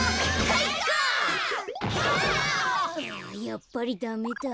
やっぱりダメだ。